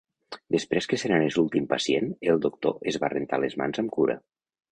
Després que se n'anés l'últim pacient, el doctor es va rentar les mans amb cura.